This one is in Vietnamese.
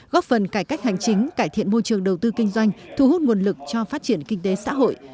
góp phần cải cách hành chính cải thiện môi trường đầu tư kinh doanh thu hút nguồn lực cho phát triển kinh tế xã hội